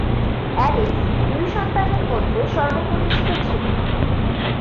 Alice দুই সন্তানের মধ্যে সর্বকনিষ্ঠ ছিল।